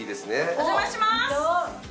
お邪魔します。